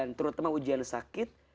tentu kita akan menemukan ujian sakit